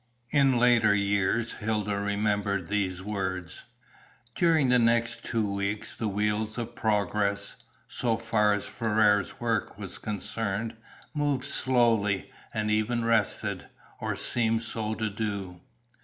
In later years Hilda remembered these words. During the next two weeks the wheels of progress, so far as Ferrars' work was concerned, moved slowly, and even rested, or seemed so to do.